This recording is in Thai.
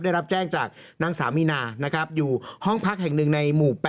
ได้รับแจ้งจากนางสาวมีนานะครับอยู่ห้องพักแห่งหนึ่งในหมู่๘